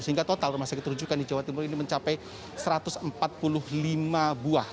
sehingga total rumah sakit rujukan di jawa timur ini mencapai satu ratus empat puluh lima buah